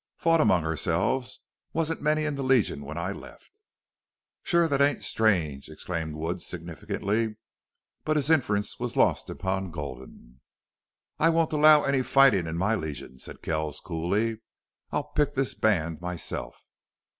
"Fought among ourselves. Wasn't many in the Legion when I left." "Shore thet ain't strange!" exclaimed Wood, significantly. But his inference was lost upon Gulden. "I won't allow fighting in my Legion," said Kells, coolly. "I'll pick this band myself."